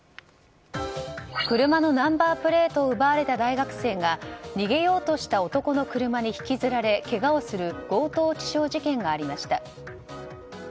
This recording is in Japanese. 車のナンバープレートを奪われた大学生が逃げようとした男の車に引きずられけがをする強盗致傷事件がありました。